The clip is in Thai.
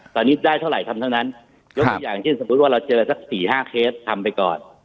ตอนนี้ได้เท่าไหร่ทำทั้งนั้นยกตัวอย่างเช่นสมมุติว่าเราเจอสัก๔๕เคสทำไปก่อน